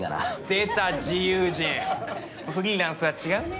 出た自由人フリーランスは違うね。